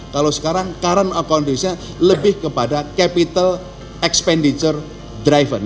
kalau sekarang current account deficit nya lebih kepada capital expenditure driven